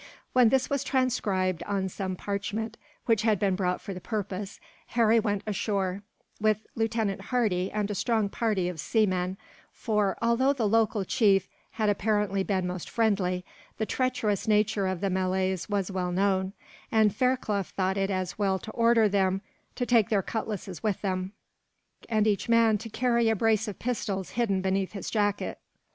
When this was transcribed, on some parchment which had been brought for the purpose, Harry went ashore with Lieutenant Hardy and a strong party of seamen for, although the local chief had apparently been most friendly, the treacherous nature of the Malays was well known, and Fairclough thought it as well to order them to take their cutlasses with them, and each man to carry a brace of pistols hidden beneath his jacket.